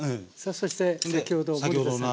そして先ほど森田さんが作った。